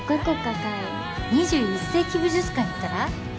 海２１世紀美術館行ったら？